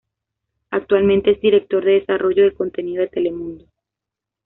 Actualmente es director de desarrollo de contenido de Telemundo.